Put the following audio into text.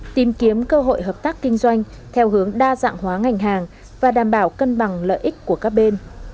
tìm kiếm cơ hội hợp tác kinh doanh theo hướng đa dạng hóa ngành hàng và đảm bảo cân bằng lợi ích của các bên